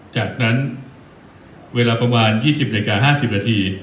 จากนั้นเวลาประมาณ๒๐นาฬิกา๕๐นาที